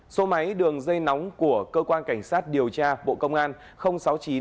số máy đường dây nóng của cơ quan cảnh sát điều tra bộ công an sáu mươi chín